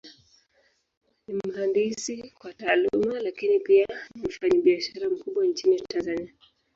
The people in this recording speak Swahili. Ni mhandisi kwa Taaluma, Lakini pia ni mfanyabiashara mkubwa Nchini Tanzania.